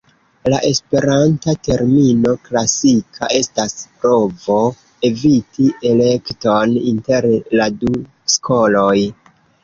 La esperanta termino "klasika" estas provo eviti elekton inter la du skoloj.